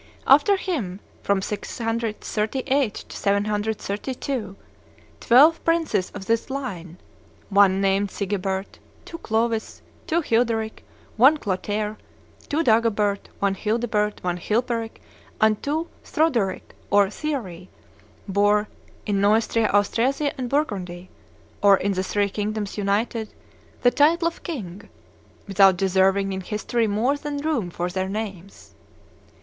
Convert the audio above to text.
After him, from 638 to 732, twelve princes of this line, one named Sigebert, two Clovis, two Childeric, one Clotaire, two Dagobert, one Childebert, one Chilperic, and two Throdoric or Thierry, bore, in Neustria, Austrasia, and Burgundy, or in the three kingdoms united, the title of king, without deserving in history more than room for their names.